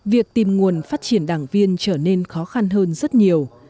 việc tìm nguồn phát triển đảng viên trở nên khó khăn hơn rất nhiều